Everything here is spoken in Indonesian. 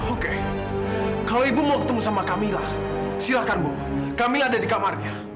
oke kalau ibu mau ketemu sama kamila silakan bu kamila ada di kamarnya